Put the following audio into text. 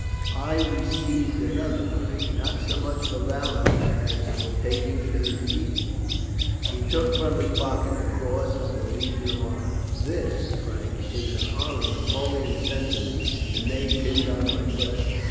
"I received another, Frank; not so much for valour as for taking things easy." He took from his pocket the cross of the Legion of Honour. "This, Frank, is an honour Napoleon sent to me, and Ney pinned on my breast.